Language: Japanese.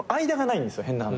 変な話。